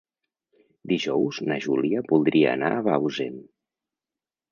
Dijous na Júlia voldria anar a Bausen.